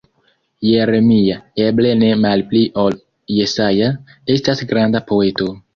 Jeremia, eble ne malpli ol Jesaja, estas granda poeto.